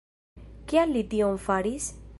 Kial li tion faris?